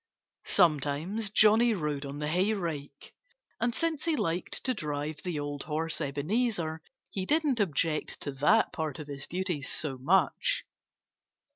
Sometimes Johnnie rode on the hayrake. And since he liked to drive the old horse Ebenezer, he didn't object to that part of his duties so much.